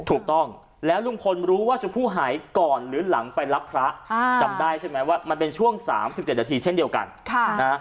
ถูกต้องแล้วลุงพลรู้ว่าชมพู่หายก่อนหรือหลังไปรับพระจำได้ใช่ไหมว่ามันเป็นช่วง๓๗นาทีเช่นเดียวกัน